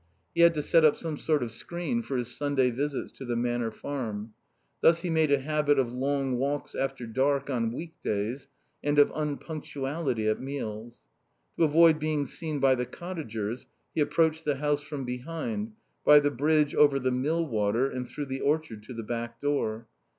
He had to set up some sort of screen for his Sunday visits to the Manor Farm. Thus he made a habit of long walks after dark on week days and of unpunctuality at meals. To avoid being seen by the cottagers he approached the house from behind, by the bridge over the mill water and through the orchard to the back door.